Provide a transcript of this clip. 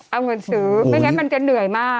เอาเงินซื้อไม่งั้นมันจะเหนื่อยมาก